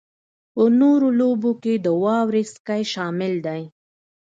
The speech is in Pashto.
په نورو لوبو کې د واورې سکی شامل دی